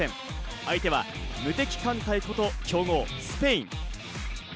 相手は無敵艦隊こと、強豪・スペイン。